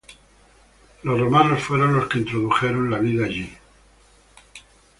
Los romanos fueron los que introdujeron la vid allí.